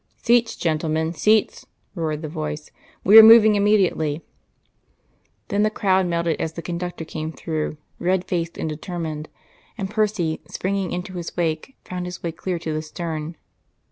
"Seats, gentlemen, seats," roared the voice. "We are moving immediately." Then the crowd melted as the conductor came through, red faced and determined, and Percy, springing into his wake, found his way clear to the stern.